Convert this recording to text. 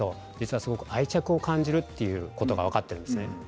すごく愛着を感じているということが分かっているんです。